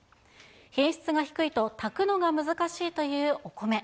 品質が低いと、炊くのが難しいというお米。